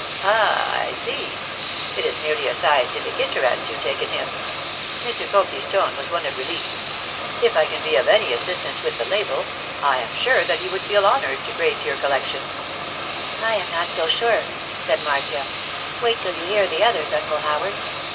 'Ah, I see! It is merely a scientific interest you take in him.' Mr. Copley's tone was one of relief. 'If I can be of any assistance with the label—I am sure that he would feel honoured to grace your collection.' 'I am not so sure,' said Marcia. 'Wait till you hear the others, Uncle Howard!